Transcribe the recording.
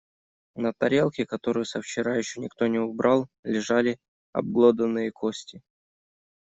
На тарелке, которую со вчера ещё никто не убрал, лежали обглоданные кости.